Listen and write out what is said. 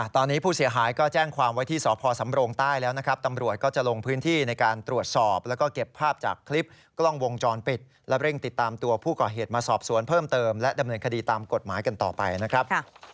ตอนนี้ผู้เสียหายก็แจ้งความไว้ที่สพสำโรงใต้แล้วนะครับตำรวจก็จะลงพื้นที่ในการตรวจสอบแล้วก็เก็บภาพจากคลิปกล้องวงจรปิดและเร่งติดตามตัวผู้ก่อเหตุมาสอบสวนเพิ่มเติมและดำเนินคดีตามกฎหมายกันต่อไปนะครับ